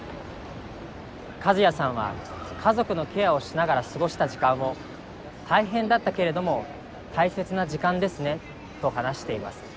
カズヤさんは家族のケアをしながら過ごした時間を大変だったけれども大切な時間ですねと話しています。